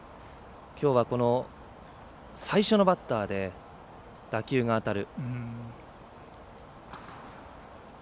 きょうは、最初のバッターで打球が当たる。